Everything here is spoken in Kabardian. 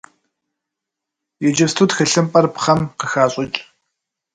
Иджыпсту тхылъымпӏэр пхъэм къыхащӏыкӏ.